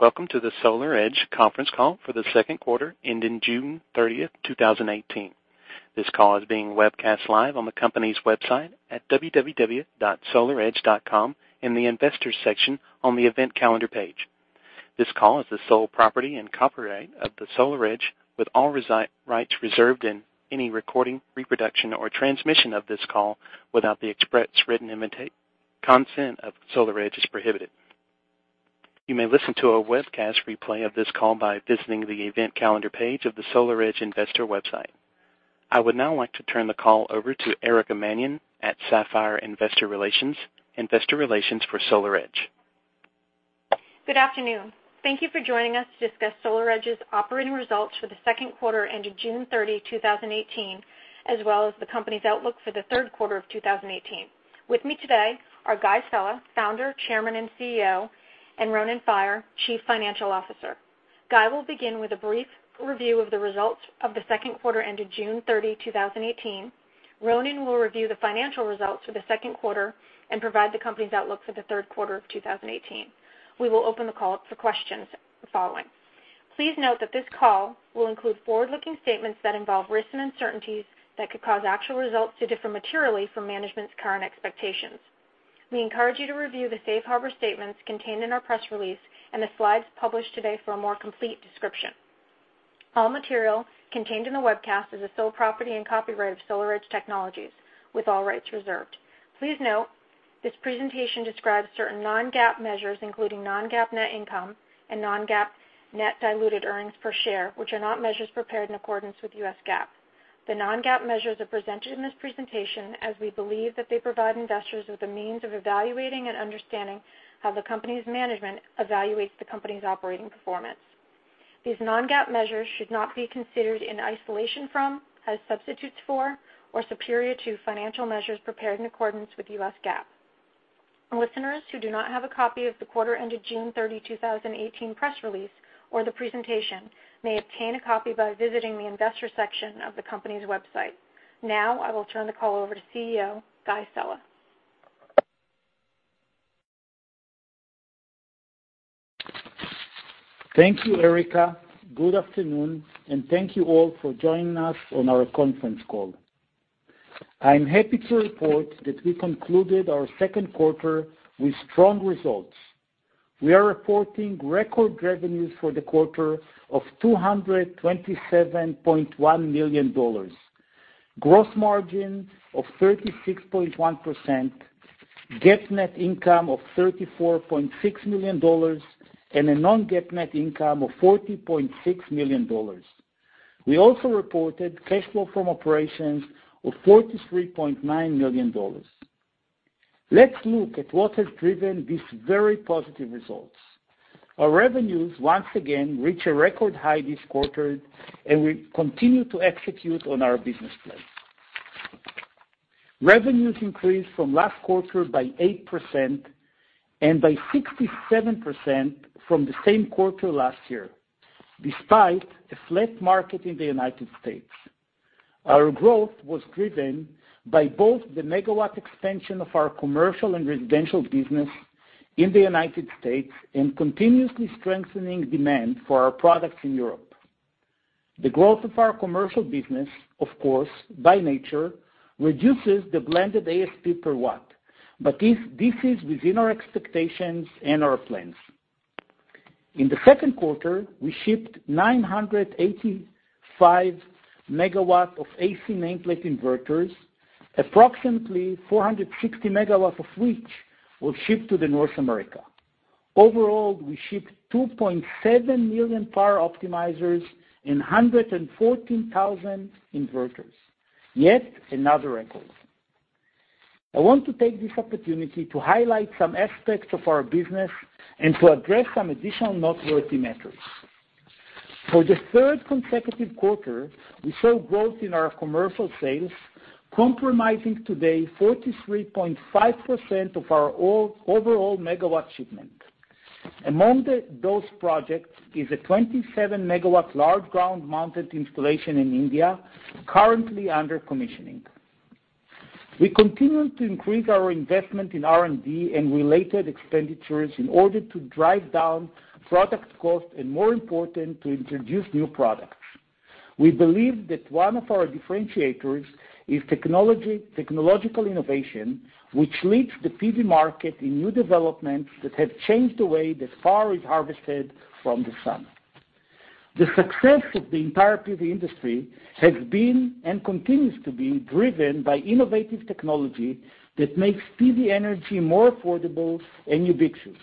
Welcome to the SolarEdge conference call for the second quarter ending June 30, 2018. This call is being webcast live on the company's website at www.solaredge.com in the Investors section on the Event Calendar page. This call is the sole property and copyright of SolarEdge, with all rights reserved and any recording, reproduction, or transmission of this call without the express written consent of SolarEdge is prohibited. You may listen to a webcast replay of this call by visiting the Event Calendar page of the SolarEdge investor website. I would now like to turn the call over to Erica Mannion at Sapphire Investor Relations, investor relations for SolarEdge. Good afternoon. Thank you for joining us to discuss SolarEdge's operating results for the second quarter ended June 30, 2018, as well as the company's outlook for the third quarter of 2018. With me today are Guy Sella, Founder, Chairman, and CEO, and Ronen Faier, Chief Financial Officer. Guy will begin with a brief review of the results of the second quarter ended June 30, 2018. Ronen will review the financial results for the second quarter and provide the company's outlook for the third quarter of 2018. We will open the call up for questions the following. Please note that this call will include forward-looking statements that involve risks and uncertainties that could cause actual results to differ materially from management's current expectations. We encourage you to review the safe harbor statements contained in our press release and the slides published today for a more complete description. All material contained in the webcast is the sole property and copyright of SolarEdge Technologies, with all rights reserved. Please note, this presentation describes certain non-GAAP measures, including non-GAAP net income and non-GAAP net diluted earnings per share, which are not measures prepared in accordance with US GAAP. The non-GAAP measures are presented in this presentation as we believe that they provide investors with a means of evaluating and understanding how the company's management evaluates the company's operating performance. These non-GAAP measures should not be considered in isolation from, as substitutes for, or superior to financial measures prepared in accordance with US GAAP. Listeners who do not have a copy of the quarter ended June 30, 2018, press release or the presentation may obtain a copy by visiting the Investors section of the company's website. Now, I will turn the call over to CEO Guy Sella. Thank you, Erica. Good afternoon, and thank you all for joining us on our conference call. I'm happy to report that we concluded our second quarter with strong results. We are reporting record revenues for the quarter of $227.1 million, gross margin of 36.1%, GAAP net income of $34.6 million, and a non-GAAP net income of $40.6 million. We also reported cash flow from operations of $43.9 million. Let's look at what has driven these very positive results. Our revenues once again reach a record high this quarter, and we continue to execute on our business plan. Revenues increased from last quarter by 8% and by 67% from the same quarter last year, despite a flat market in the United States. Our growth was driven by both the megawatt expansion of our commercial and residential business in the United States and continuously strengthening demand for our products in Europe. The growth of our commercial business, of course, by nature, reduces the blended ASP per watt. This is within our expectations and our plans. In the second quarter, we shipped 985 megawatts of AC nameplate inverters, approximately 460 megawatts of which were shipped to North America. Overall, we shipped 2.7 million Power Optimizers and 114,000 inverters. Yet another record. I want to take this opportunity to highlight some aspects of our business and to address some additional noteworthy metrics. For the third consecutive quarter, we saw growth in our commercial sales, comprising today 43.5% of our overall megawatt shipment. Among those projects is a 27-megawatt large ground-mounted installation in India, currently under commissioning. We continue to increase our investment in R&D and related expenditures in order to drive down product cost, more important, to introduce new products. We believe that one of our differentiators is technological innovation, which leads the PV market in new developments that have changed the way that power is harvested from the sun. The success of the entire PV industry has been and continues to be driven by innovative technology that makes PV energy more affordable and ubiquitous.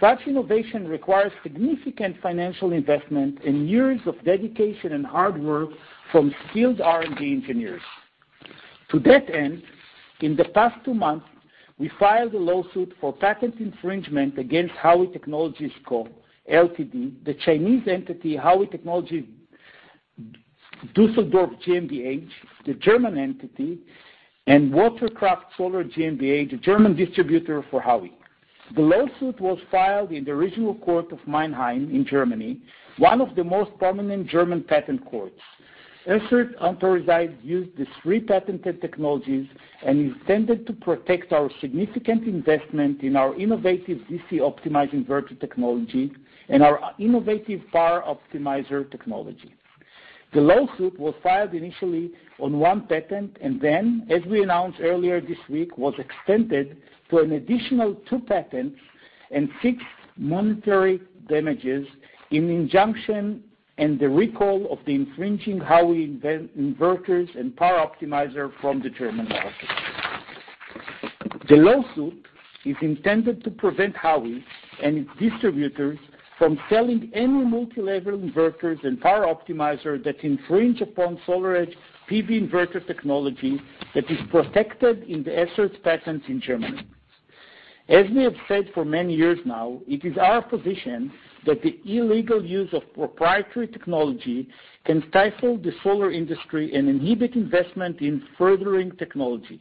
Such innovation requires significant financial investment and years of dedication and hard work from skilled R&D engineers. To that end, in the past two months, we filed a lawsuit for patent infringement against Huawei Technologies Co., Ltd.; the Chinese entity, Huawei Technologies Düsseldorf GmbH, the German entity; and Wattkraft Solar GmbH, the German distributor for Huawei. The lawsuit was filed in the Regional Court of Mannheim in Germany, one of the most prominent German patent courts. Assert authorized use these three patented technologies and is intended to protect our significant investment in our innovative DC optimizing virtual technology and our innovative power optimizer technology. The lawsuit was filed initially on one patent, then, as we announced earlier this week, was extended to an additional two patents and six monetary damages in injunction and the recall of the infringing Huawei inverters and Power Optimizer from the German market. The lawsuit is intended to prevent Huawei and its distributors from selling any multilevel inverters and Power Optimizer that infringe upon SolarEdge PV inverter technology that is protected in the asserted patents in Germany. We have said for many years now, it is our position that the illegal use of proprietary technology can stifle the solar industry and inhibit investment in furthering technology.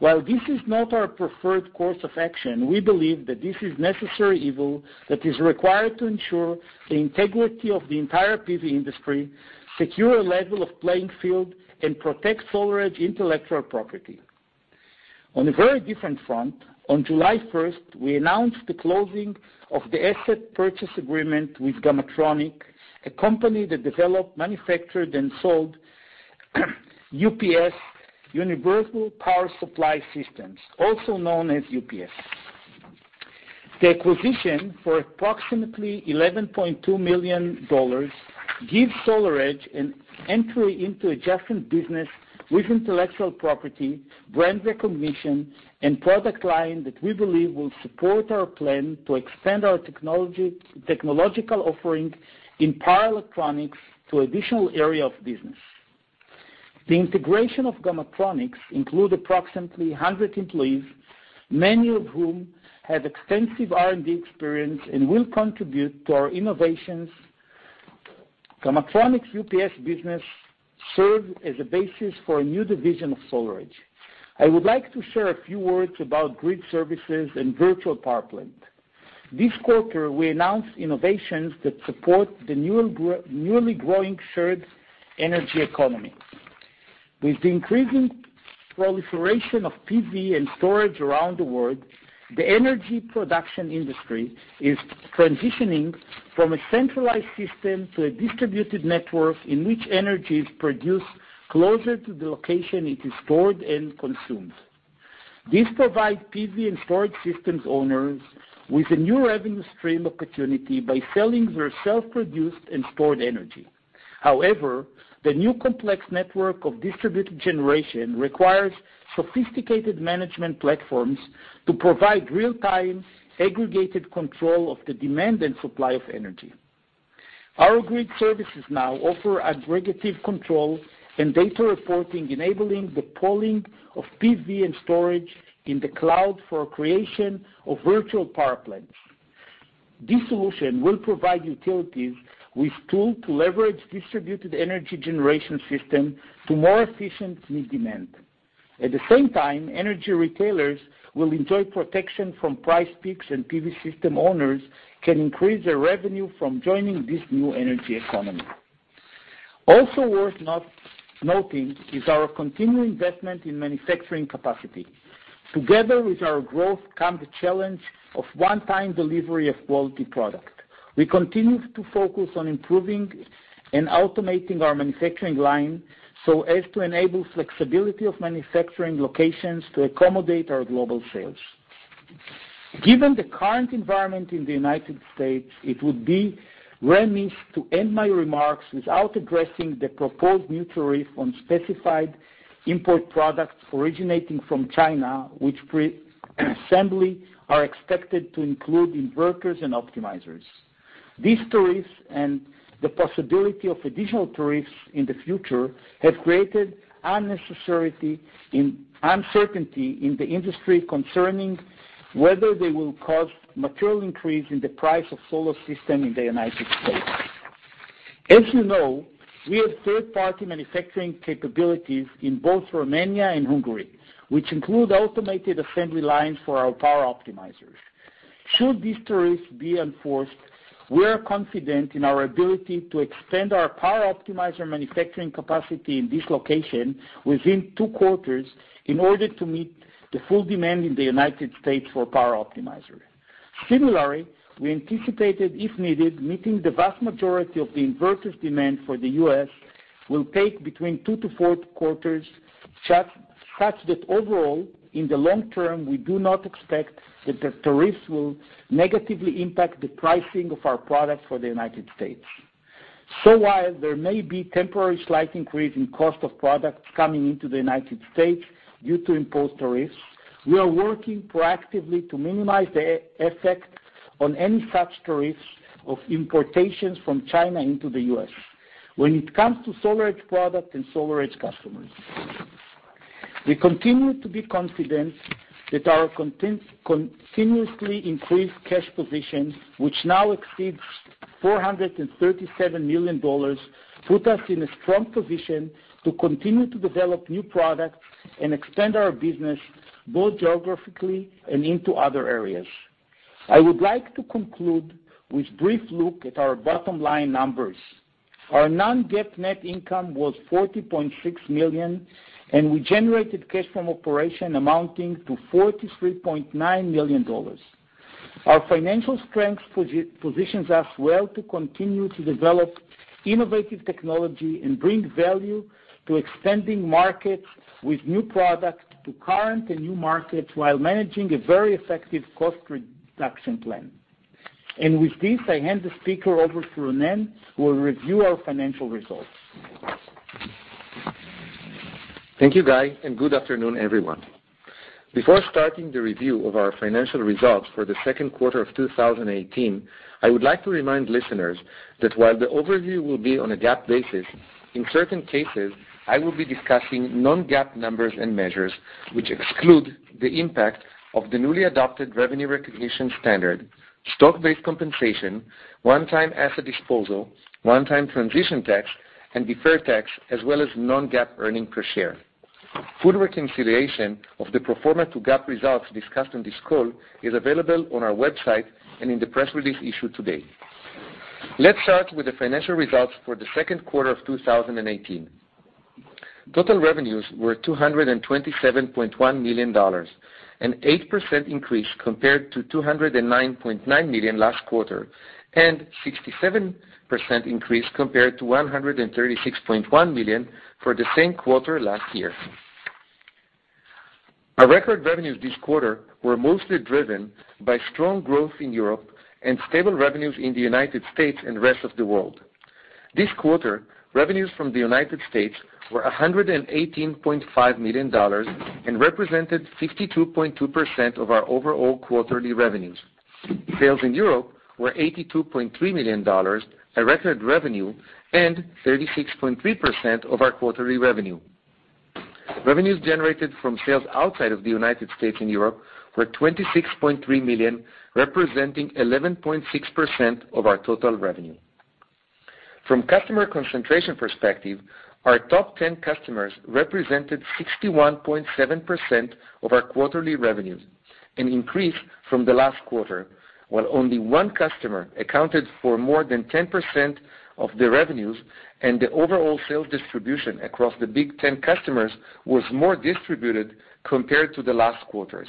This is not our preferred course of action, we believe that this is necessary evil that is required to ensure the integrity of the entire PV industry, secure a level of playing field, and protect SolarEdge intellectual property. On a very different front, on July 1st, we announced the closing of the asset purchase agreement with Gamatronic, a company that developed, manufactured, and sold UPS, uninterruptible power supply systems, also known as UPS. The acquisition for approximately $11.2 million gives SolarEdge an entry into adjacent business with intellectual property, brand recognition, and product line that we believe will support our plan to expand our technological offering in power electronics to additional area of business. The integration of Gamatronic include approximately 100 employees, many of whom have extensive R&D experience and will contribute to our innovations. Gamatronic's UPS business serves as a basis for a new division of SolarEdge. I would like to share a few words about grid services and virtual power plant. This quarter, we announced innovations that support the newly growing shared energy economy. With the increasing proliferation of PV and storage around the world, the energy production industry is transitioning from a centralized system to a distributed network in which energy is produced closer to the location it is stored and consumed. This provides PV and storage systems owners with a new revenue stream opportunity by selling their self-produced and stored energy. However, the new complex network of distributed generation requires sophisticated management platforms to provide real-time, aggregated control of the demand and supply of energy. Our grid services now offer aggregative control and data reporting, enabling the pooling of PV and storage in the cloud for creation of virtual power plants. This solution will provide utilities with tools to leverage distributed energy generation system to more efficiently meet demand. At the same time, energy retailers will enjoy protection from price peaks, and PV system owners can increase their revenue from joining this new energy economy. Also worth noting is our continued investment in manufacturing capacity. Together with our growth come the challenge of one-time delivery of quality product. We continue to focus on improving and automating our manufacturing line so as to enable flexibility of manufacturing locations to accommodate our global sales. Given the current environment in the United States, it would be remiss to end my remarks without addressing the proposed new tariff on specified import products originating from China, which presumably are expected to include inverters and optimizers. These tariffs and the possibility of additional tariffs in the future have created uncertainty in the industry concerning whether they will cause material increase in the price of solar system in the United States. As you know, we have third-party manufacturing capabilities in both Romania and Hungary, which include automated assembly lines for our Power Optimizers. Should these tariffs be enforced, we are confident in our ability to extend our Power Optimizer manufacturing capacity in this location within two quarters in order to meet the full demand in the United States for Power Optimizer. Similarly, we anticipated, if needed, meeting the vast majority of the inverters demand for the U.S. will take between two to four quarters, such that overall, in the long term, we do not expect that the tariffs will negatively impact the pricing of our products for the United States. While there may be temporary slight increase in cost of products coming into the United States due to imposed tariffs, we are working proactively to minimize the effect on any such tariffs of importations from China into the U.S. when it comes to SolarEdge product and SolarEdge customers. We continue to be confident that our continuously increased cash position, which now exceeds $437 million, put us in a strong position to continue to develop new products and expand our business both geographically and into other areas. I would like to conclude with a brief look at our bottom line numbers. Our non-GAAP net income was $40.6 million, and we generated cash from operation amounting to $43.9 million. Our financial strength positions us well to continue to develop innovative technology and bring value to extending markets with new products to current and new markets while managing a very effective cost reduction plan. With this, I hand the speaker over to Ronen, who will review our financial results. Thank you, Guy. Good afternoon, everyone. Before starting the review of our financial results for the second quarter of 2018, I would like to remind listeners that while the overview will be on a GAAP basis, in certain cases, I will be discussing non-GAAP numbers and measures which exclude the impact of the newly adopted revenue recognition standard, stock-based compensation, one-time asset disposal, one-time transition tax, and deferred tax, as well as non-GAAP earnings per share. Full reconciliation of the pro forma to GAAP results discussed on this call is available on our website and in the press release issued today. Let's start with the financial results for the second quarter of 2018. Total revenues were $227.1 million, an 8% increase compared to $209.9 million last quarter, and 67% increase compared to $136.1 million for the same quarter last year. Our record revenues this quarter were mostly driven by strong growth in Europe and stable revenues in the U.S. and rest of the world. This quarter, revenues from the U.S. were $118.5 million and represented 52.2% of our overall quarterly revenues. Sales in Europe were $82.3 million, a record revenue, and 36.3% of our quarterly revenue. Revenues generated from sales outside of the U.S. and Europe were $26.3 million, representing 11.6% of our total revenue. From customer concentration perspective, our top 10 customers represented 61.7% of our quarterly revenues, an increase from the last quarter, while only one customer accounted for more than 10% of the revenues, and the overall sales distribution across the big 10 customers was more distributed compared to the last quarters.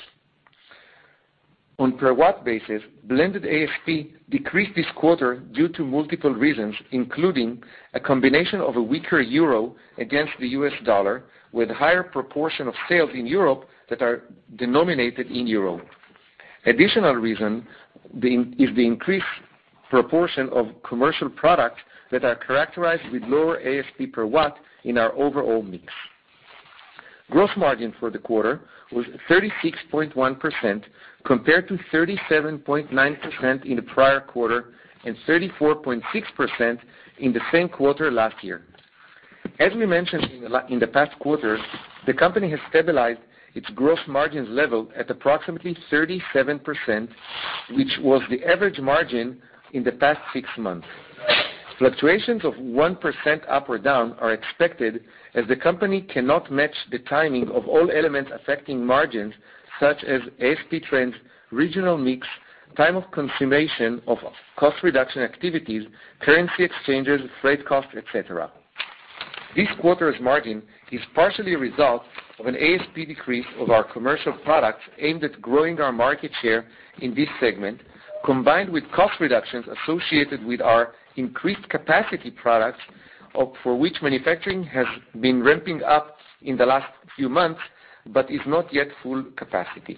On per watt basis, blended ASP decreased this quarter due to multiple reasons, including a combination of a weaker EUR against the USD, with higher proportion of sales in Europe that are denominated in EUR. Additional reason is the increased proportion of commercial products that are characterized with lower ASP per watt in our overall mix. Gross margin for the quarter was 36.1%, compared to 37.9% in the prior quarter and 34.6% in the same quarter last year. As we mentioned in the past quarters, the company has stabilized its gross margins level at approximately 37%, which was the average margin in the past six months. Fluctuations of 1% up or down are expected as the company cannot match the timing of all elements affecting margins such as ASP trends, regional mix, time of consummation of cost reduction activities, currency exchanges, freight cost, et cetera. This quarter's margin is partially a result of an ASP decrease of our commercial products aimed at growing our market share in this segment, combined with cost reductions associated with our increased capacity products for which manufacturing has been ramping up in the last few months, but is not yet full capacity.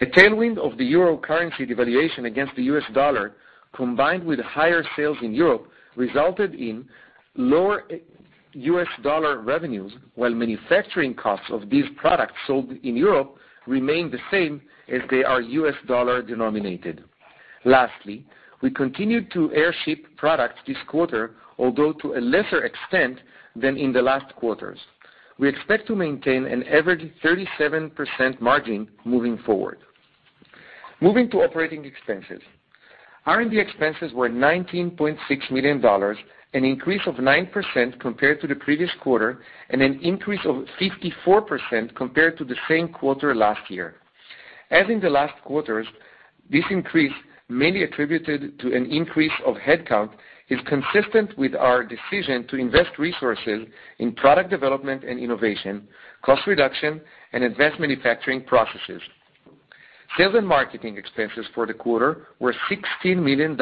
A tailwind of the euro currency devaluation against the US dollar, combined with higher sales in Europe, resulted in lower US dollar revenues, while manufacturing costs of these products sold in Europe remained the same as they are US dollar denominated. Lastly, we continued to airship products this quarter, although to a lesser extent than in the last quarters. We expect to maintain an average 37% margin moving forward. Moving to operating expenses. R&D expenses were $19.6 million, an increase of 9% compared to the previous quarter and an increase of 54% compared to the same quarter last year. As in the last quarters, this increase, mainly attributed to an increase of headcount, is consistent with our decision to invest resources in product development and innovation, cost reduction, and advanced manufacturing processes. Sales and marketing expenses for the quarter were $16 million,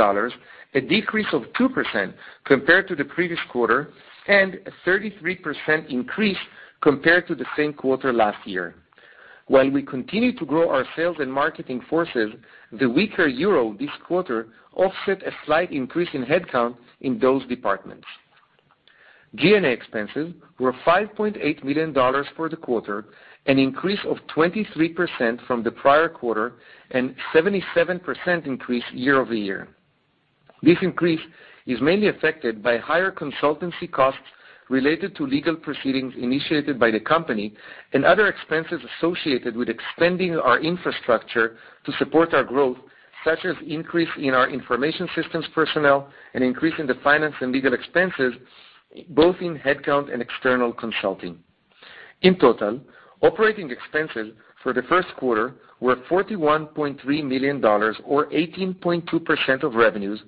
a decrease of 2% compared to the previous quarter and a 33% increase compared to the same quarter last year. While we continue to grow our sales and marketing forces, the weaker euro this quarter offset a slight increase in headcount in those departments. G&A expenses were $5.8 million for the quarter, an increase of 23% from the prior quarter, and 77% increase year-over-year. This increase is mainly affected by higher consultancy costs related to legal proceedings initiated by the company and other expenses associated with extending our infrastructure to support our growth, such as increase in our information systems personnel and increase in the finance and legal expenses, both in headcount and external consulting. In total, operating expenses for the first quarter were $41.3 million, or 18.2% of revenues,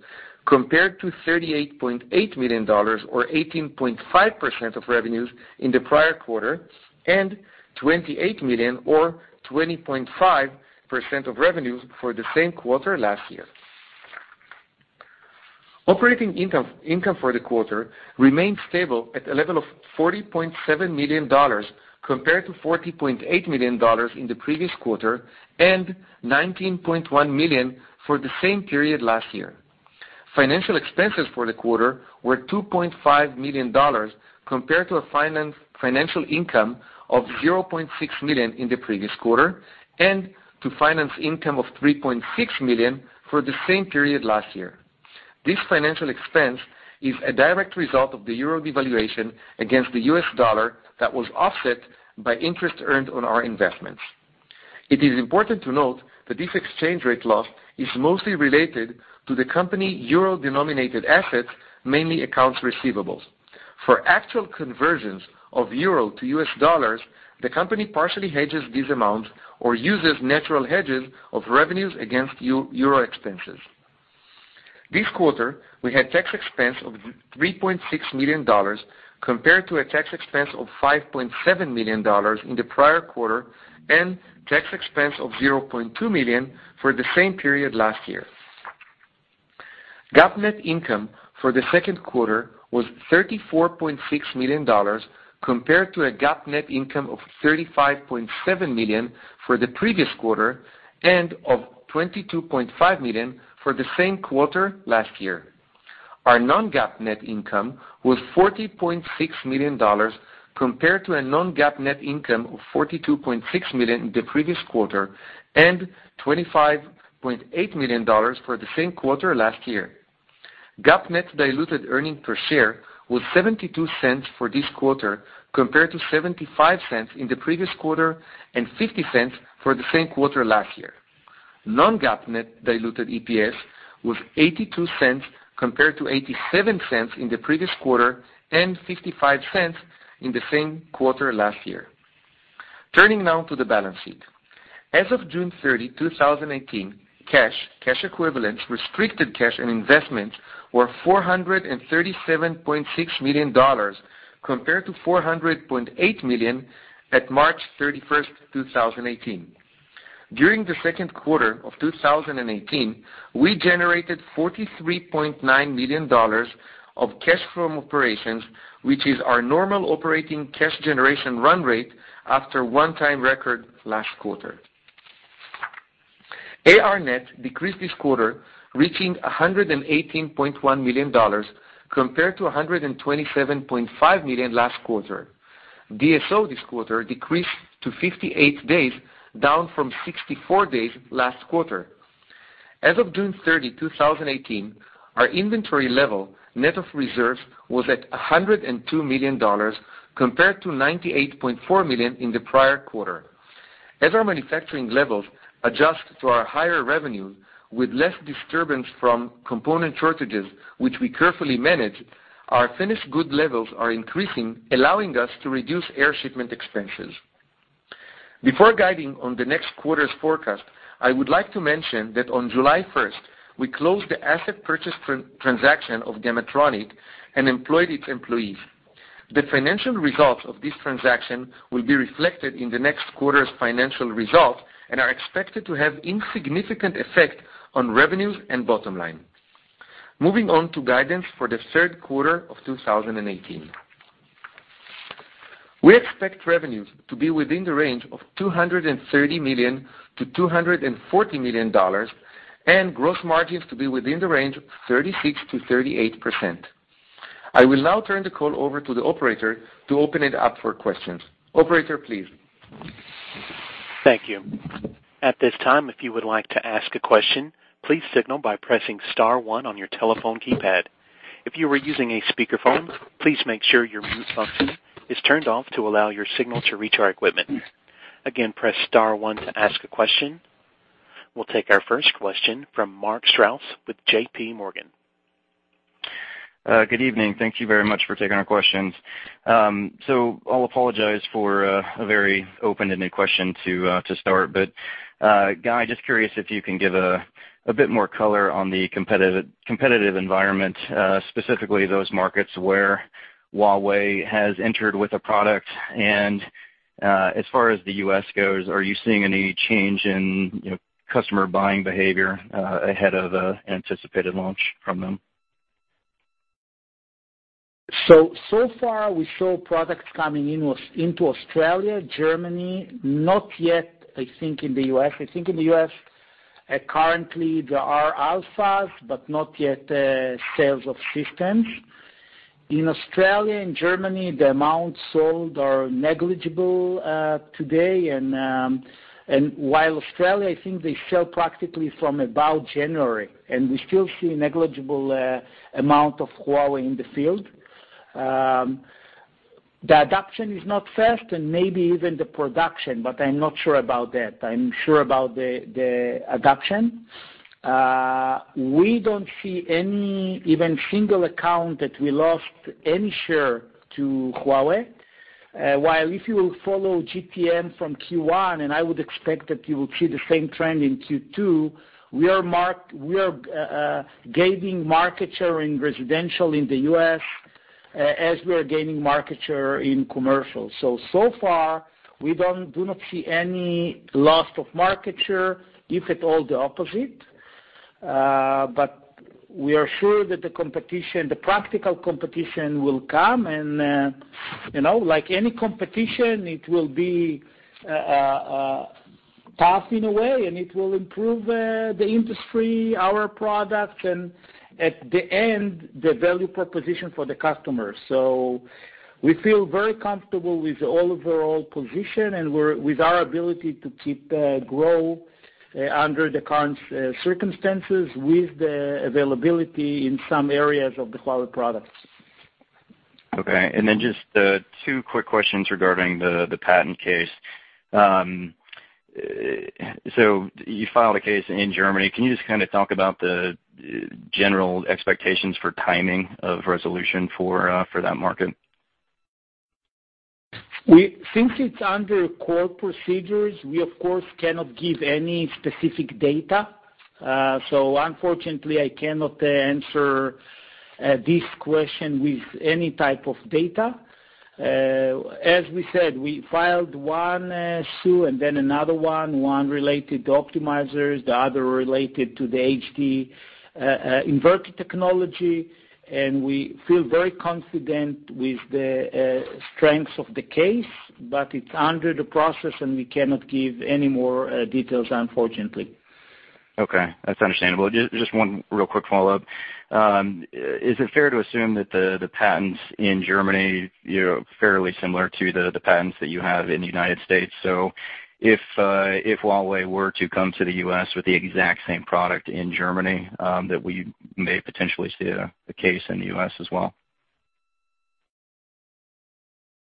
compared to $38.8 million, or 18.5% of revenues in the prior quarter, and $28 million or 20.5% of revenues for the same quarter last year. Operating income for the quarter remained stable at a level of $40.7 million, compared to $40.8 million in the previous quarter and $19.1 million for the same period last year. Financial expenses for the quarter were $2.5 million, compared to a financial income of $0.6 million in the previous quarter, and to finance income of $3.6 million for the same period last year. This financial expense is a direct result of the euro devaluation against the US dollar that was offset by interest earned on our investments. It is important to note that this exchange rate loss is mostly related to the company euro-denominated assets, mainly accounts receivables. For actual conversions of euro to US dollars, the company partially hedges these amounts or uses natural hedges of revenues against euro expenses. This quarter, we had tax expense of $3.6 million, compared to a tax expense of $5.7 million in the prior quarter, and tax expense of $0.2 million for the same period last year. GAAP net income for the second quarter was $34.6 million, compared to a GAAP net income of $35.7 million for the previous quarter, and of $22.5 million for the same quarter last year. Our non-GAAP net income was $40.6 million, compared to a non-GAAP net income of $42.6 million in the previous quarter, and $25.8 million for the same quarter last year. GAAP net diluted earnings per share was $0.72 for this quarter, compared to $0.75 in the previous quarter and $0.50 for the same quarter last year. Non-GAAP net diluted EPS was $0.82, compared to $0.87 in the previous quarter and $0.55 in the same quarter last year. Turning now to the balance sheet. As of June 30, 2018, cash equivalents, restricted cash, and investments were $437.6 million, compared to $400.8 million at March 31, 2018. During the second quarter of 2018, we generated $43.9 million of cash from operations, which is our normal operating cash generation run rate after one-time record last quarter. AR net decreased this quarter, reaching $118.1 million, compared to $127.5 million last quarter. DSO this quarter decreased to 58 days, down from 64 days last quarter. As of June 30, 2018, our inventory level, net of reserves, was at $102 million, compared to $98.4 million in the prior quarter. As our manufacturing levels adjust to our higher revenues with less disturbance from component shortages, which we carefully manage, our finished goods levels are increasing, allowing us to reduce air shipment expenses. Before guiding on the next quarter's forecast, I would like to mention that on July 1, we closed the asset purchase transaction of Gamatronic and employed its employees. The financial results of this transaction will be reflected in the next quarter's financial results and are expected to have insignificant effect on revenues and bottom line. Moving on to guidance for the third quarter of 2018. We expect revenues to be within the range of $230 million to $240 million, and gross margins to be within the range of 36%-38%. I will now turn the call over to the operator to open it up for questions. Operator, please. Thank you. At this time, if you would like to ask a question, please signal by pressing star one on your telephone keypad. If you are using a speakerphone, please make sure your mute function is turned off to allow your signal to reach our equipment. Again, press star one to ask a question. We'll take our first question from Mark Strouse with JPMorgan. Good evening. Thank you very much for taking our questions. I'll apologize for a very open-ended question to start. Guy, just curious if you can give a bit more color on the competitive environment, specifically those markets where Huawei has entered with a product. As far as the U.S. goes, are you seeing any change in customer buying behavior ahead of anticipated launch from them? Far, we show products coming into Australia, Germany, not yet, I think in the U.S. I think in the U.S., currently there are alphas, not yet sales of systems. In Australia and Germany, the amounts sold are negligible today. While Australia, I think they sell practically from about January, and we still see negligible amount of Huawei in the field. The adoption is not fast and maybe even the production, I'm not sure about that. I'm sure about the adoption We don't see any single account that we lost any share to Huawei. While if you will follow GPM from Q1, I would expect that you will see the same trend in Q2, we are gaining market share in residential in the U.S., as we are gaining market share in commercial. Far, we do not see any loss of market share. If at all, the opposite. We are sure that the practical competition will come, like any competition, it will be passing away, it will improve the industry, our product, and at the end, the value proposition for the customer. We feel very comfortable with the overall position and with our ability to keep the growth under the current circumstances, with the availability in some areas of the Huawei products. Okay. Just two quick questions regarding the patent case. You filed a case in Germany. Can you just kind of talk about the general expectations for timing of resolution for that market? Since it's under court procedures, we of course cannot give any specific data. Unfortunately, I cannot answer this question with any type of data. As we said, we filed one suit and then another one related to optimizers, the other related to the HD-Wave inverter technology, and we feel very confident with the strength of the case, but it's under the process, and we cannot give any more details, unfortunately. Okay. That's understandable. Just one real quick follow-up. Is it fair to assume that the patents in Germany, fairly similar to the patents that you have in the U.S., if Huawei were to come to the U.S. with the exact same product in Germany, that we may potentially see a case in the U.S. as well?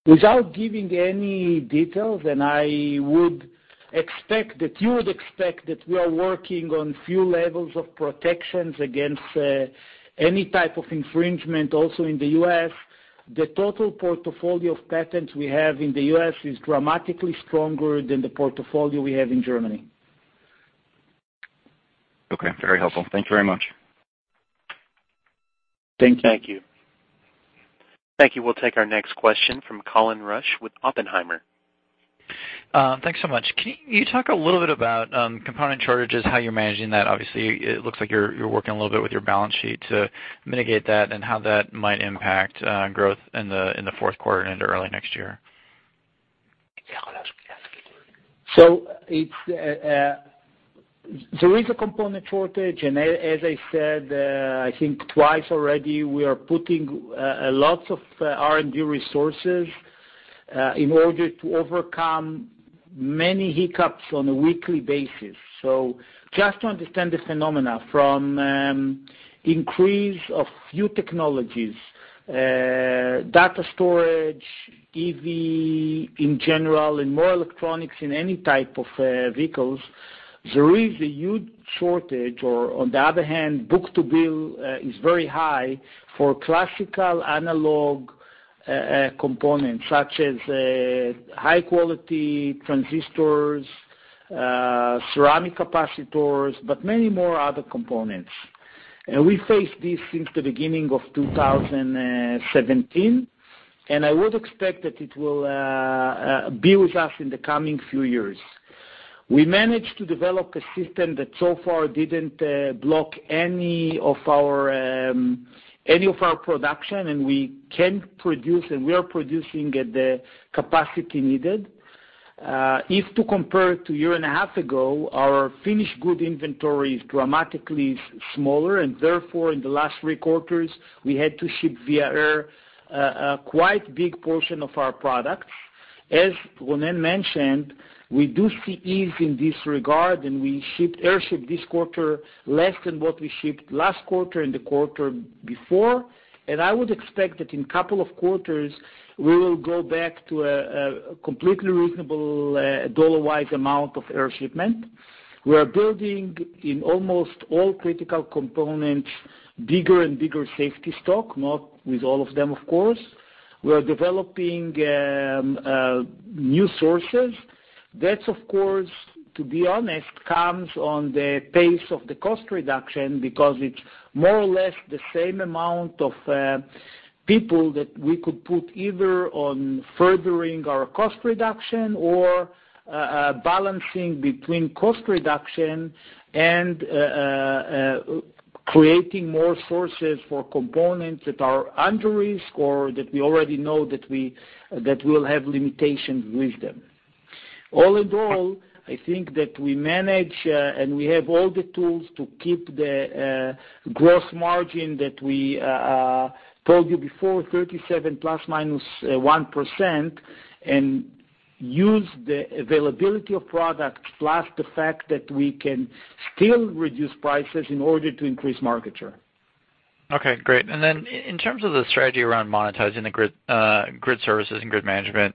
Without giving any details, I would expect that you would expect that we are working on few levels of protections against any type of infringement also in the U.S. The total portfolio of patents we have in the U.S. is dramatically stronger than the portfolio we have in Germany. Okay. Very helpful. Thank you very much. Thank you. Thank you. Thank you. We'll take our next question from Colin Rusch with Oppenheimer. Thanks so much. Can you talk a little bit about component shortages, how you're managing that? Obviously, it looks like you're working a little bit with your balance sheet to mitigate that and how that might impact growth in the fourth quarter and into early next year. There is a component shortage, as I said, I think twice already, we are putting lots of R&D resources in order to overcome many hiccups on a weekly basis. Just to understand the phenomena from increase of new technologies, data storage, EV in general, and more electronics in any type of vehicles, there is a huge shortage or, on the other hand, book-to-bill is very high for classical analog components, such as high-quality transistors, ceramic capacitors, but many more other components. We face this since the beginning of 2017, and I would expect that it will be with us in the coming few years. We managed to develop a system that so far didn't block any of our production, and we can produce, and we are producing at the capacity needed. If to compare to a year and a half ago, our finished good inventory is dramatically smaller. Therefore, in the last three quarters, we had to ship via air a quite big portion of our products. As Ronen mentioned, we do see ease in this regard, and we air shipped this quarter less than what we shipped last quarter and the quarter before. I would expect that in couple of quarters, we will go back to a completely reasonable dollar-wise amount of air shipment. We are building in almost all critical components, bigger and bigger safety stock, not with all of them, of course. We are developing new sources. That of course, to be honest, comes on the pace of the cost reduction because it's more or less the same amount of people that we could put either on furthering our cost reduction or balancing between cost reduction and creating more sources for components that are under risk or that we already know that we'll have limitations with them. All in all, I think that we manage, and we have all the tools to keep the gross margin that we told you before, 37 ± 1%, and use the availability of product, plus the fact that we can still reduce prices in order to increase market share. Okay, great. Then in terms of the strategy around monetizing the grid services and grid management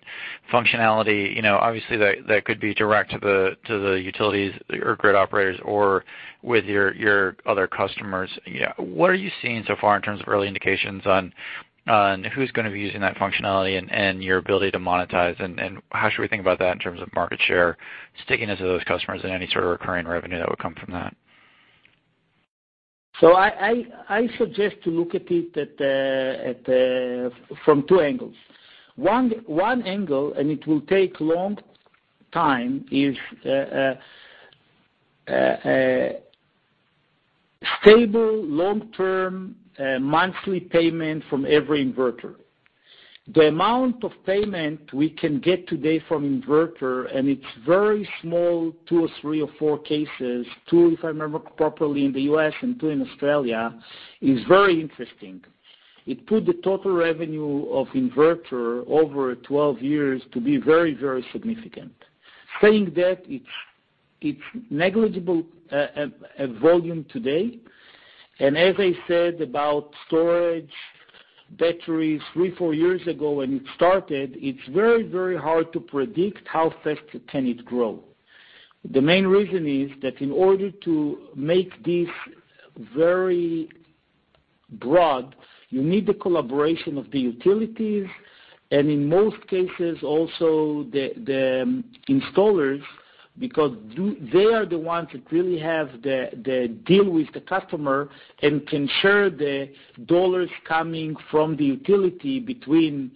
functionality, obviously that could be direct to the utilities or grid operators or with your other customers. What are you seeing so far in terms of early indications on who's going to be using that functionality and your ability to monetize? How should we think about that in terms of market share sticking to those customers and any sort of recurring revenue that would come from that? I suggest to look at it from two angles. One angle, and it will take long time, is a stable, long-term, monthly payment from every inverter. The amount of payment we can get today from inverter, and it's very small, two or three or four cases, two, if I remember properly, in the U.S. and two in Australia, is very interesting. It put the total revenue of inverter over 12 years to be very significant. Saying that, it's negligible volume today. As I said about storage batteries three, four years ago when it started, it's very hard to predict how fast can it grow. The main reason is that in order to make this very broad, you need the collaboration of the utilities and in most cases also the installers because they are the ones that really have the deal with the customer and can share the dollars coming from the utility between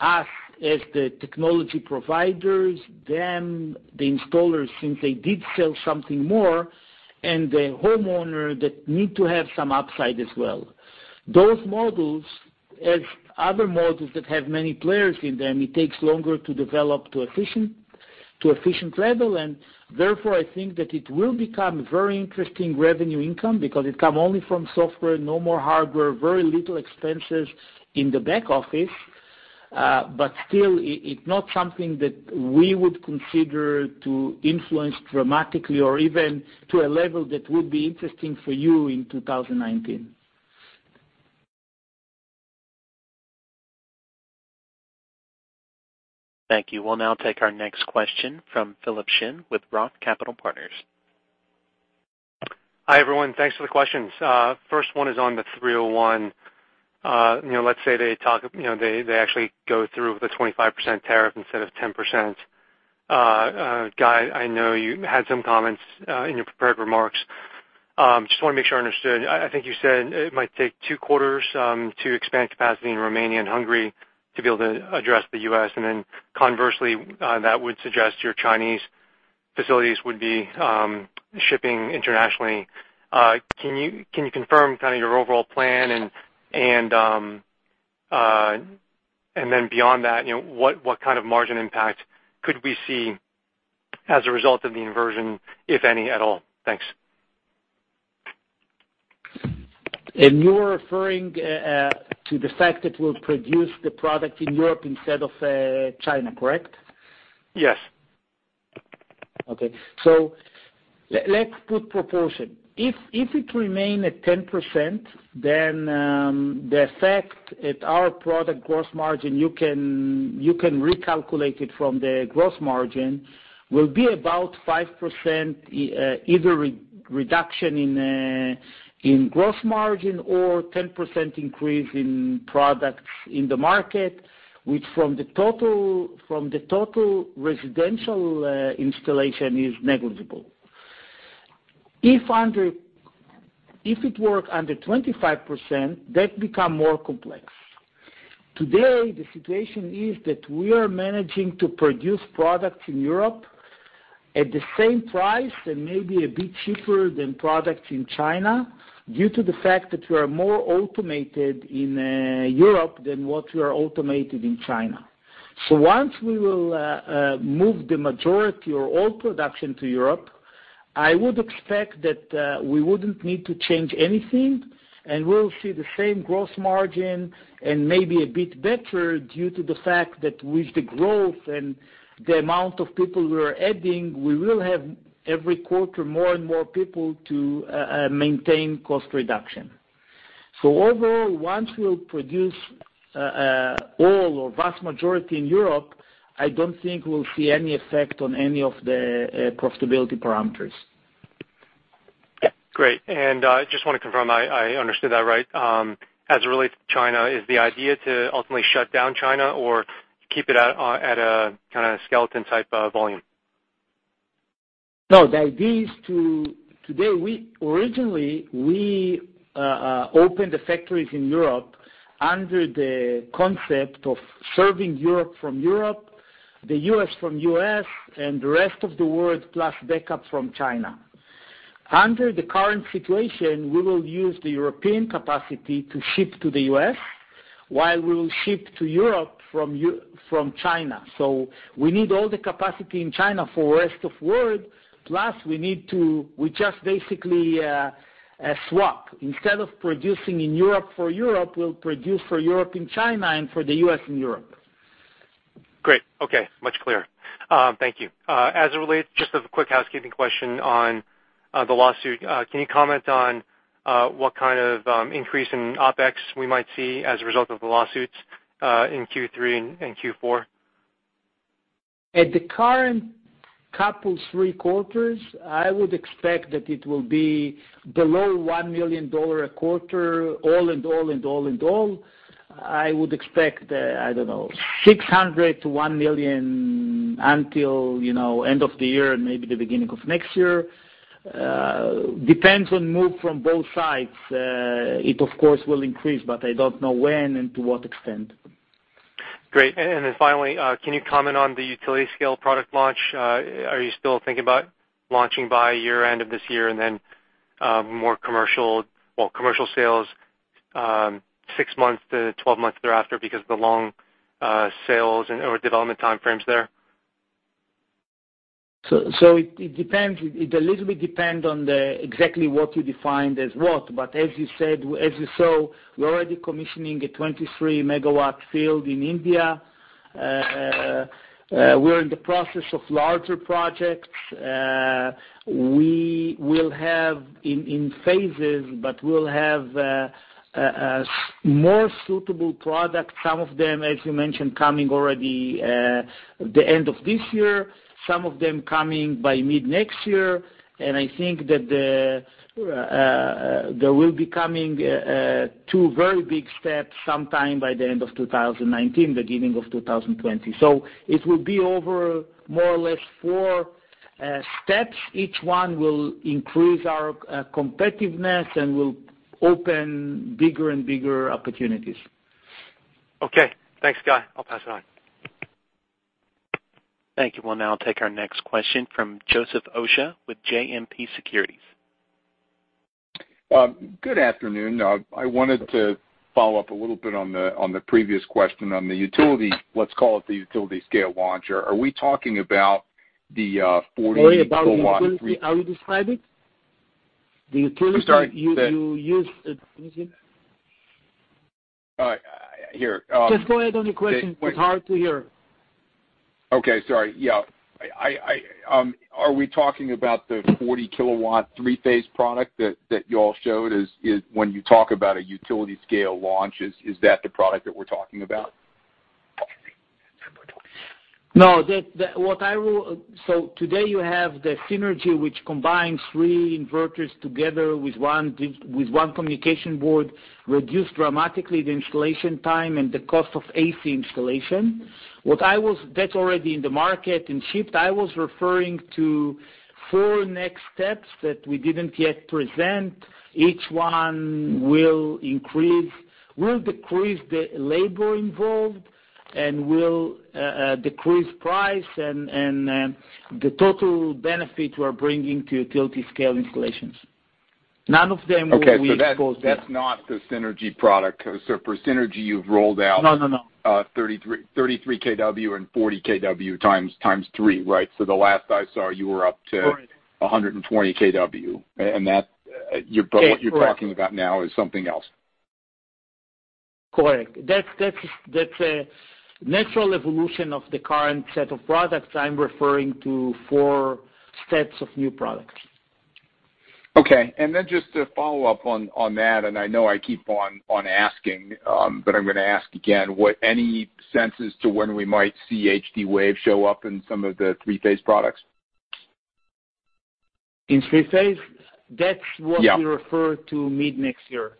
us as the technology providers, them, the installers since they did sell something more, and the homeowner that need to have some upside as well. Those models, as other models that have many players in them, it takes longer to develop to efficient level and therefore I think that it will become very interesting revenue income because it come only from software, no more hardware, very little expenses in the back office. Still, it's not something that we would consider to influence dramatically or even to a level that would be interesting for you in 2019. Thank you. We'll now take our next question from Philip Shen with Roth Capital Partners. Hi, everyone. Thanks for the questions. First one is on the 301. Let's say they actually go through the 25% tariff instead of 10%. Guy, I know you had some comments in your prepared remarks. Just want to make sure I understood. I think you said it might take two quarters to expand capacity in Romania and Hungary to be able to address the U.S., and then conversely, that would suggest your Chinese facilities would be shipping internationally. Can you confirm kind of your overall plan and then beyond that, what kind of margin impact could we see as a result of the inversion, if any, at all? Thanks. You're referring to the fact that we'll produce the product in Europe instead of China, correct? Yes. Okay. Let's put proportion. If it remain at 10%, the effect at our product gross margin, you can recalculate it from the gross margin, will be about 5% either reduction in gross margin or 10% increase in products in the market, which from the total residential installation is negligible. If it were under 25%, that become more complex. Today, the situation is that we are managing to produce products in Europe at the same price and maybe a bit cheaper than products in China due to the fact that we are more automated in Europe than what we are automated in China. Once we will move the majority or all production to Europe, I would expect that we wouldn't need to change anything, and we'll see the same gross margin and maybe a bit better due to the fact that with the growth and the amount of people we are adding, we will have every quarter more and more people to maintain cost reduction. Overall, once we'll produce all or vast majority in Europe, I don't think we'll see any effect on any of the profitability parameters. Great. Just want to confirm I understood that right. As it relates to China, is the idea to ultimately shut down China or keep it at a kind of skeleton type volume? No, the idea is to Originally, we opened the factories in Europe under the concept of serving Europe from Europe, the U.S. from U.S., and the rest of the world, plus backup from China. Under the current situation, we will use the European capacity to ship to the U.S., while we will ship to Europe from China. We need all the capacity in China for rest of world. Plus, we just basically swap. Instead of producing in Europe for Europe, we'll produce for Europe in China and for the U.S. in Europe. Great. Okay. Much clearer. Thank you. As it relates, just a quick housekeeping question on the lawsuit. Can you comment on what kind of increase in OpEx we might see as a result of the lawsuits in Q3 and Q4? At the current couple three quarters, I would expect that it will be below $1 million a quarter, all in all. I would expect, I don't know, $600,000-$1 million until end of the year and maybe the beginning of next year. Depends on move from both sides. It, of course, will increase, but I don't know when and to what extent. Finally, can you comment on the utility scale product launch? Are you still thinking about launching by year-end of this year and then more commercial sales 6 months to 12 months thereafter because of the long sales or development time frames there? It a little bit depend on the exactly what you defined as what. As you saw, we're already commissioning a 23-megawatt field in India. We're in the process of larger projects. We will have, in phases, but we'll have more suitable products, some of them, as you mentioned, coming already the end of this year, some of them coming by mid next year. I think that there will be coming two very big steps sometime by the end of 2019, the beginning of 2020. It will be over more or less four steps. Each one will increase our competitiveness and will open bigger and bigger opportunities. Okay. Thanks, Guy. I'll pass it on. Thank you. We'll now take our next question from Joseph Osha with JMP Securities. Good afternoon. I wanted to follow up a little bit on the previous question on the utility, let's call it the utility scale launcher. Are we talking about the 40 kilowatt- Sorry, about utility, how you describe it? The utility- I'm sorry. Excuse me. All right. Just go ahead on your question. It's hard to hear. Okay. Sorry. Yeah. Are we talking about the 40 kW three-phase product that you all showed? When you talk about a utility scale launch, is that the product that we're talking about? No. Today you have the Synergy which combines three inverters together with one communication board, reduced dramatically the installation time and the cost of AC installation. That's already in the market and shipped. I was referring to four next steps that we didn't yet present. Each one will decrease the labor involved and will decrease price and the total benefit we're bringing to utility scale installations. None of them will we expose now. Okay. That's not the Synergy product. For Synergy, you've rolled out- No. 33 kW and 40 kW times three, right? The last I saw, you were up to- Correct 120 kW. Correct. What you're talking about now is something else. Correct. That's a natural evolution of the current set of products. I'm referring to four sets of new products. Okay. Then just to follow up on that, and I know I keep on asking, but I'm going to ask again. Any senses to when we might see HD-Wave show up in some of the three-phase products? In three-phase? That's what- Yeah we refer to mid next year.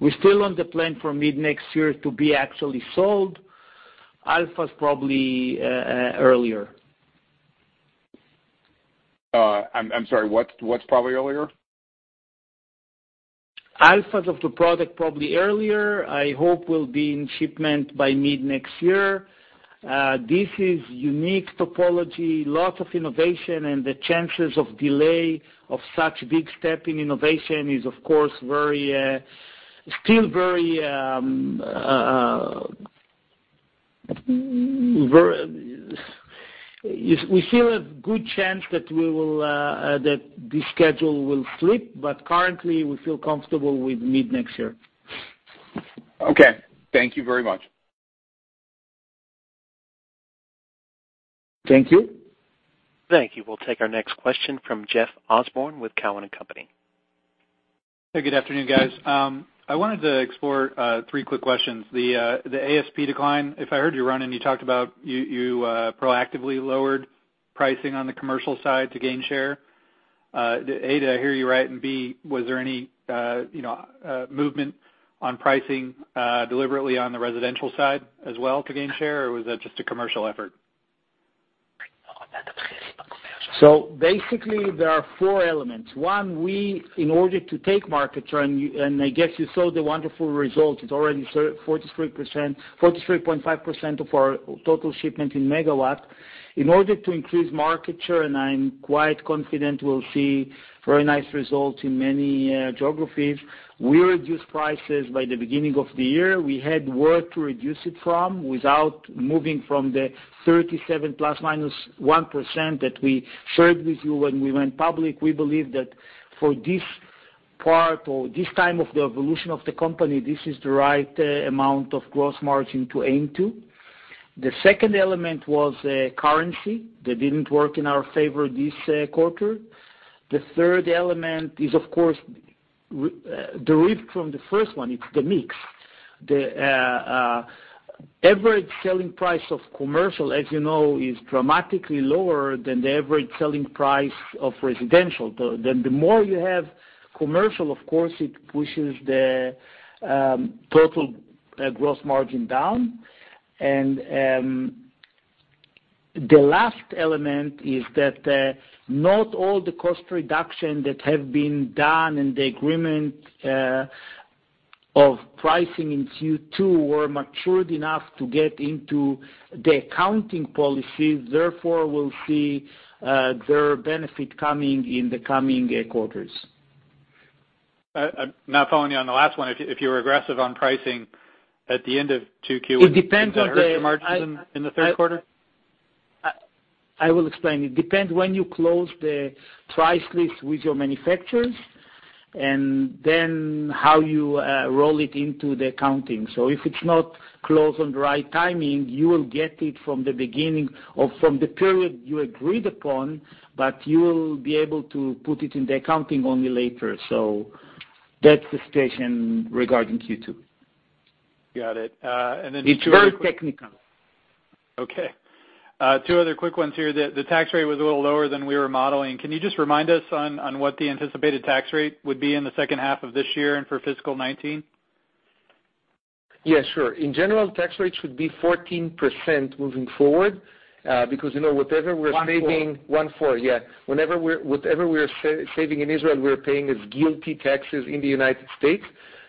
We're still on the plan for mid next year to be actually sold. Alpha's probably earlier. I'm sorry, what's probably earlier? Alphas of the product probably earlier, I hope will be in shipment by mid next year. This is unique topology, lots of innovation, and the chances of delay of such big step in innovation is, of course, still very. We feel a good chance that the schedule will slip. Currently, we feel comfortable with mid next year. Okay. Thank you very much. Thank you. Thank you. We'll take our next question from Jeff Osborne with Cowen and Company. Hey, good afternoon, guys. I wanted to explore three quick questions. The ASP decline, if I heard you right, and you talked about you proactively lowered pricing on the commercial side to gain share. A, did I hear you right, and B, was there any movement on pricing deliberately on the residential side as well to gain share, or was that just a commercial effort? Basically, there are four elements. One, in order to take market share, and I guess you saw the wonderful result, it's already 43.5% of our total shipment in megawatt. In order to increase market share, and I'm quite confident we'll see very nice results in many geographies, we reduced prices by the beginning of the year. We had where to reduce it from without moving from the 37 ±1% that we shared with you when we went public. We believe that for this part or this time of the evolution of the company, this is the right amount of gross margin to aim to. The second element was currency, that didn't work in our favor this quarter. The third element is, of course, derived from the first one, it's the mix. The average selling price of commercial, as you know, is dramatically lower than the average selling price of residential. The more you have commercial, of course, it pushes the total gross margin down. The last element is that not all the cost reduction that have been done and the agreement of pricing in Q2 were matured enough to get into the accounting policy, therefore, we'll see their benefit coming in the coming quarters. Following you on the last one, if you were aggressive on pricing at the end of 2Q would It depends on the You hurt your margins in the third quarter? I will explain. It depends when you close the price list with your manufacturers, and then how you roll it into the accounting. If it's not closed on the right timing, you will get it from the beginning or from the period you agreed upon, but you will be able to put it in the accounting only later. That's the situation regarding Q2. Got it. It's very technical. Okay. Two other quick ones here. The tax rate was a little lower than we were modeling. Can you just remind us on what the anticipated tax rate would be in the second half of this year and for fiscal 2019? Yes, sure. In general, tax rates should be 14% moving forward, because whatever we're saving- One-four. 14%, yeah. Whatever we are saving in Israel, we are paying as GILTI taxes in the U.S.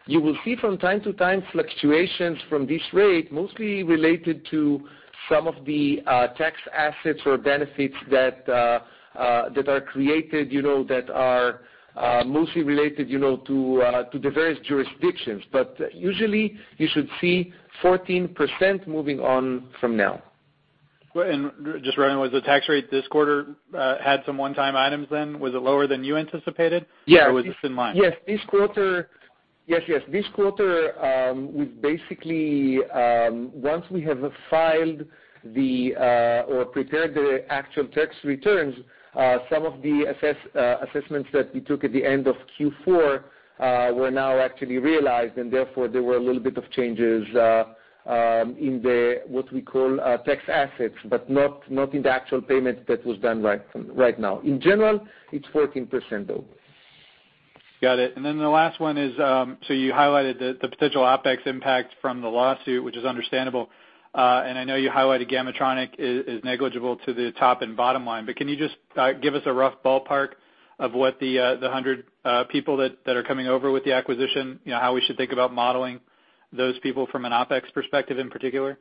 You will see from time to time fluctuations from this rate, mostly related to some of the tax assets or benefits that are created, that are mostly related to the various jurisdictions. Usually, you should see 14% moving on from now. Just running with the tax rate this quarter, had some one-time items then? Was it lower than you anticipated? Yes. Was this in line? Yes. We've basically, once we have filed the, or prepared the actual tax returns, some of the assessments that we took at the end of Q4, were now actually realized. Therefore, there were a little bit of changes in the, what we call, tax assets, but not in the actual payment that was done right now. In general, it's 14%, though. Got it. The last one is, you highlighted the potential OpEx impact from the lawsuit, which is understandable. I know you highlighted Gamatronic is negligible to the top and bottom line, but can you just give us a rough ballpark of what the 100 people that are coming over with the acquisition, how we should think about modeling those people from an OpEx perspective in particular?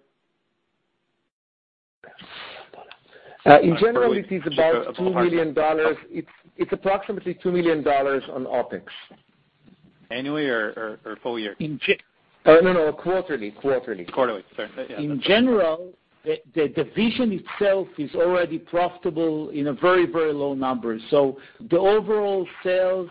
In general, it is about $2 million. It's approximately $2 million on OpEx. Annually or full year? No, quarterly. Quarterly. Sorry. In general, the division itself is already profitable in a very, very low number. The overall sales,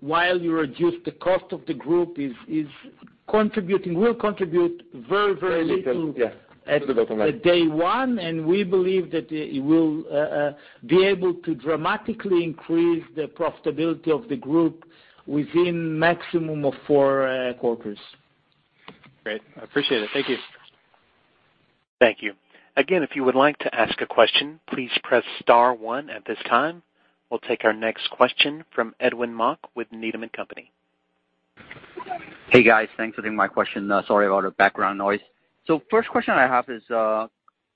while you reduce the cost of the group, will contribute very, very little. Yes. To the bottom line at day one, we believe that it will be able to dramatically increase the profitability of the group within maximum of four quarters. Great. I appreciate it. Thank you. Thank you. Again, if you would like to ask a question, please press star one at this time. We'll take our next question from Edwin Mok with Needham & Company. Hey, guys. Thanks for taking my question. Sorry about the background noise. First question I have is,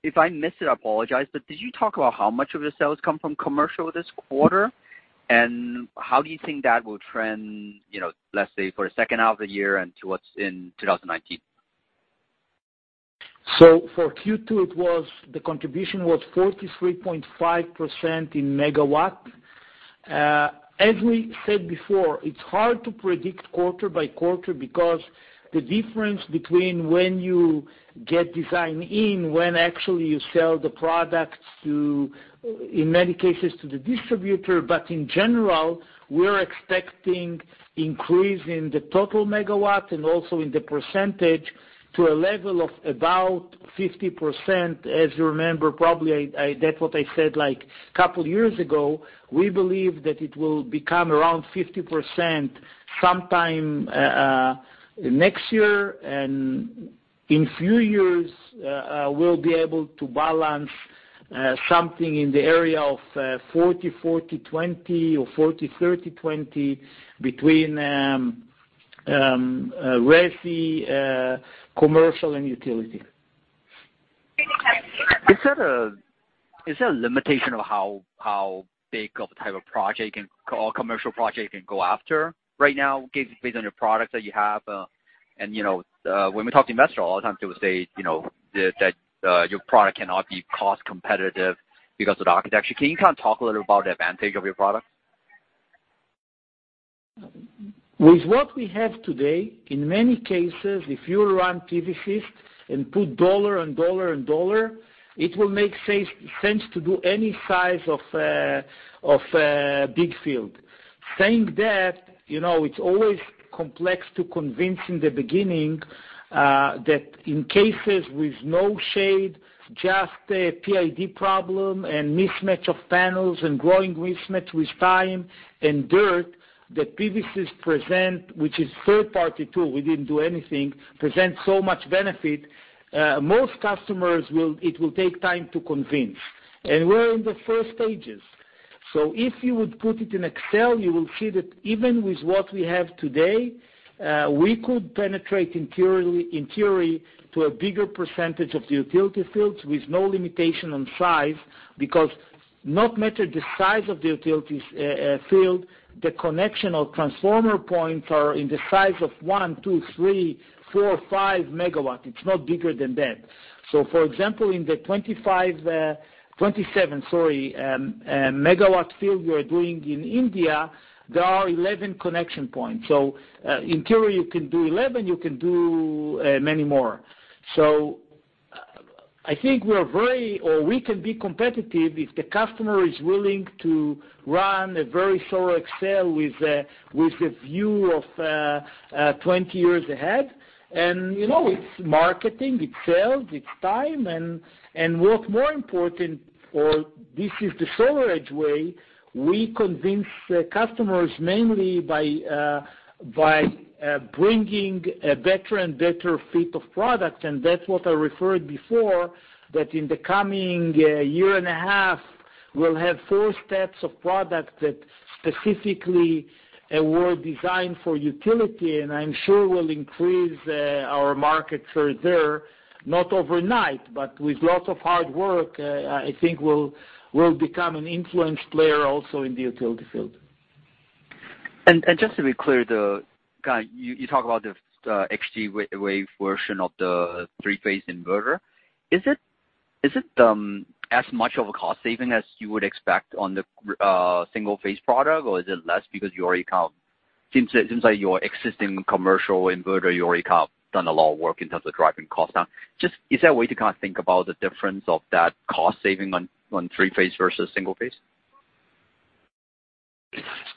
if I missed it, I apologize, did you talk about how much of your sales come from commercial this quarter? How do you think that will trend, let's say, for the second half of the year and towards in 2019? For Q2, the contribution was 43.5% in megawatt. As we said before, it's hard to predict quarter by quarter because the difference between when you get design in, when actually you sell the product to, in many cases, to the distributor. In general, we're expecting increase in the total megawatt and also in the percentage to a level of about 50%. As you remember, probably, that's what I said couple years ago. We believe that it will become around 50% sometime next year, and in few years, we'll be able to balance something in the area of 40/40/20 or 40/30/20 between resi, commercial, and utility. Is there a limitation of how big of a type of project, or commercial project you can go after right now based on the product that you have? When we talk to investor, a lot of times they will say that your product cannot be cost competitive because of the architecture. Can you kind of talk a little about the advantage of your product? With what we have today, in many cases, if you run PV sims and put dollar and dollar and dollar, it will make sense to do any size of big field. Saying that, it's always complex to convince in the beginning, that in cases with no shade, just a PID problem and mismatch of panels and growing mismatch with time and dirt, that PV sims present, which is third party too, we didn't do anything, present so much benefit. Most customers, it will take time to convince. We're in the first stages. If you would put it in Excel, you will see that even with what we have today, we could penetrate in theory to a bigger percentage of the utility fields with no limitation on size, because no matter the size of the utilities field, the connection of transformer points are in the size of one, two, three, four, five megawatt. It's not bigger than that. For example, in the 27 megawatt field we are doing in India, there are 11 connection points. In theory, you can do 11, you can do many more. I think we can be competitive if the customer is willing to run a very thorough Excel with the view of 20 years ahead. It's marketing, it's sales, it's time, and what more important, or this is the SolarEdge way, we convince customers mainly by bringing a better and better fit of product. That's what I referred before, that in the coming year and a half, we'll have four steps of product that specifically were designed for utility, and I'm sure will increase our market share there, not overnight, but with lots of hard work, I think we'll become an influence player also in the utility field. Just to be clear, Guy, you talk about the HD-Wave version of the three-phase inverter. Is it as much of a cost saving as you would expect on the single-phase product, or is it less because it seems like your existing commercial inverter, you already have done a lot of work in terms of driving cost down. Is there a way to think about the difference of that cost saving on three-phase versus single-phase?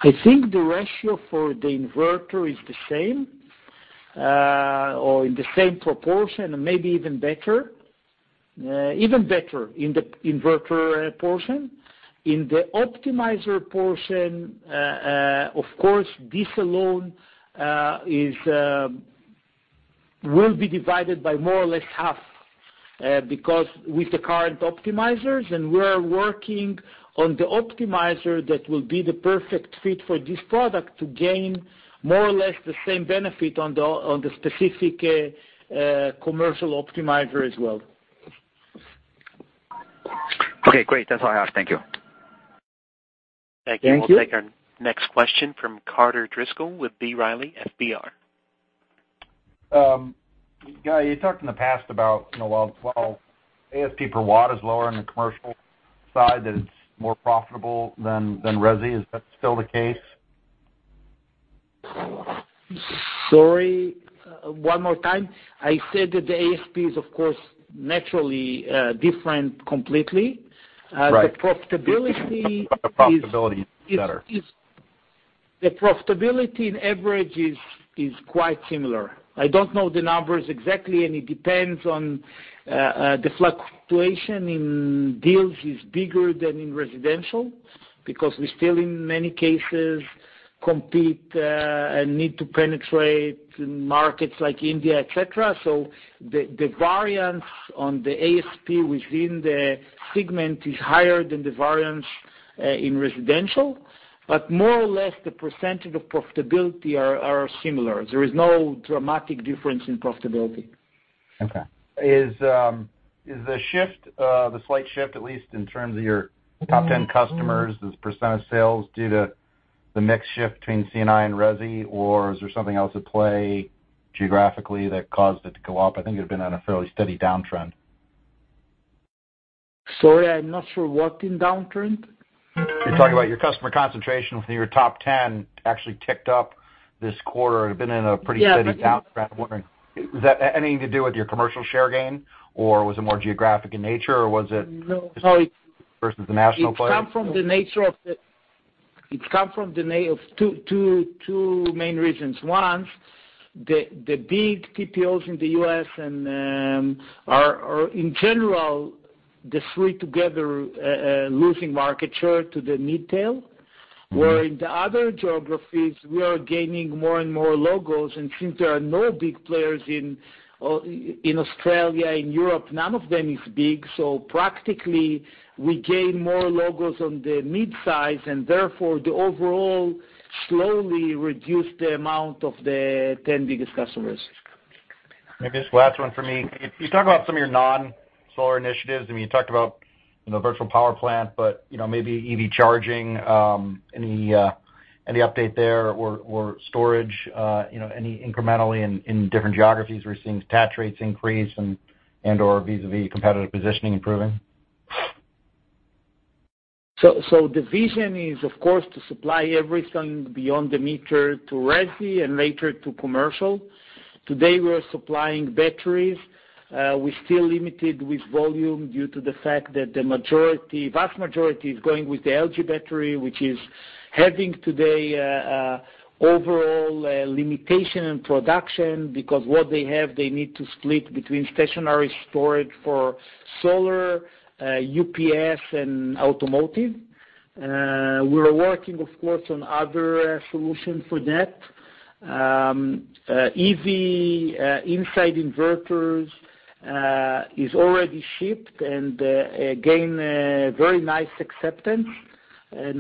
I think the ratio for the inverter is the same, or in the same proportion, and maybe even better. Even better in the inverter portion. In the optimizer portion, of course, this alone will be divided by more or less half, because with the current optimizers, we're working on the optimizer that will be the perfect fit for this product to gain more or less the same benefit on the specific commercial optimizer as well. Okay, great. That's all I ask. Thank you. Thank you. Thank you. We'll take our next question from Carter Driscoll with B. Riley FBR. Guy, you talked in the past about, while ASP per watt is lower on the commercial side, that it's more profitable than resi. Is that still the case? Sorry, one more time. I said that the ASP is, of course, naturally, different completely. Right. The profitability is. The profitability is better. The profitability and average is quite similar. I don't know the numbers exactly. It depends on the fluctuation in deals is bigger than in residential because we still, in many cases, compete, and need to penetrate markets like India, et cetera. The variance on the ASP within the segment is higher than the variance in residential. More or less, the percentage of profitability are similar. There is no dramatic difference in profitability. Okay. Is the slight shift, at least in terms of your top 10 customers, this % of sales, due to the mix shift between C&I and resi, or is there something else at play geographically that caused it to go up? I think it had been on a fairly steady downtrend. Sorry, I'm not sure what in downtrend. You're talking about your customer concentration within your top 10 actually ticked up this quarter and had been in a pretty steady- Yeah downtrend. I'm wondering, is that anything to do with your commercial share gain, or was it more geographic in nature, or was it- No versus the national play? It come from two main reasons. One, the big PPAs in the U.S. and are in general, the three together, losing market share to the mid tail. Where in the other geographies, we are gaining more and more logos, and since there are no big players in Australia, in Europe, none of them is big. Practically, we gain more logos on the mid-size and therefore the overall slowly reduce the amount of the 10 biggest customers. Maybe this last one from me. You talk about some of your non-solar initiatives. You talked about virtual power plant, but maybe EV charging, any update there or storage, any incrementally in different geographies we're seeing attach rates increase and/or vis-a-vis competitive positioning improving? The vision is, of course, to supply everything beyond the meter to resi and later to commercial. Today, we're supplying batteries. We're still limited with volume due to the fact that the vast majority is going with the LG battery, which is having today, overall limitation in production, because what they have, they need to split between stationary storage for solar, UPS, and automotive. We're working, of course, on other solutions for that. EV inside inverters is already shipped and, again, very nice acceptance.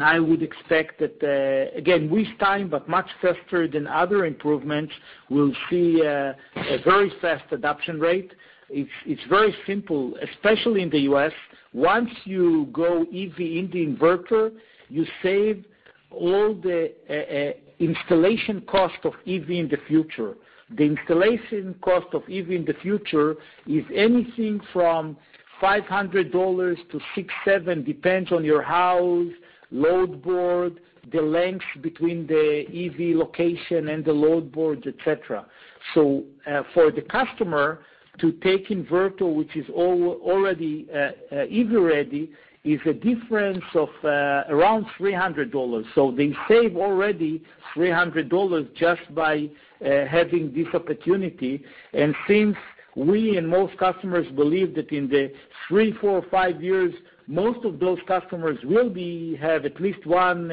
I would expect that, again, with time, but much faster than other improvements, we'll see a very fast adoption rate. It's very simple, especially in the U.S. Once you go EV in the inverter, you save all the installation cost of EV in the future. The installation cost of EV in the future is anything from $500 to $600, $700, depends on your house, load board, the length between the EV location and the load board, et cetera. For the customer to take inverter which is already EV ready, is a difference of around $300. They save already $300 just by having this opportunity. And since we and most customers believe that in the three, four, five years, most of those customers will have at least one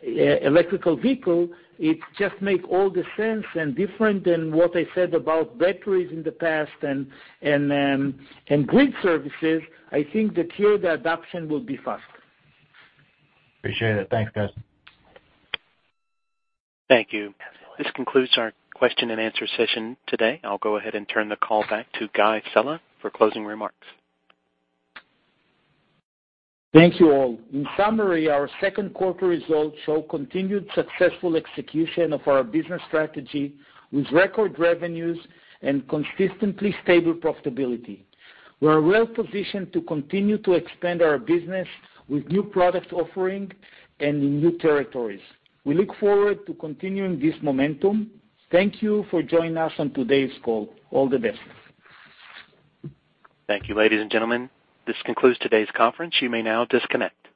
electrical vehicle, it just make all the sense and different than what I said about batteries in the past and grid services. I think that here the adoption will be fast. Appreciate it. Thanks, guys. Thank you. This concludes our question and answer session today. I'll go ahead and turn the call back to Guy Sella for closing remarks. Thank you all. In summary, our second quarter results show continued successful execution of our business strategy, with record revenues and consistently stable profitability. We're well-positioned to continue to expand our business with new product offering and in new territories. We look forward to continuing this momentum. Thank you for joining us on today's call. All the best. Thank you, ladies and gentlemen. This concludes today's conference. You may now disconnect.